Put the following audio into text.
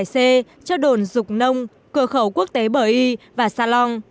c cho đồn dục nông cửa khẩu quốc tế bởi y và sa long